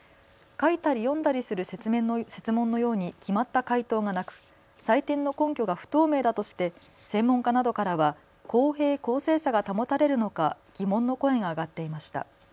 書いたり読んだりする設問のように決まった解答がなく採点の根拠が不透明だとして専門家などからは公平・公正さが保たれるのか疑問の声が上がっていました。